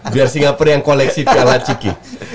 biar singapura yang koleksi piala ciki